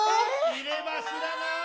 ・いればしらない？